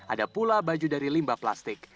ada pula baju dari limbah plastik